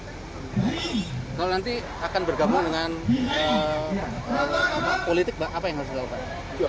kalau nanti akan bergabung dengan politik apa yang harus dilakukan